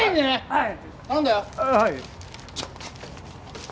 はい。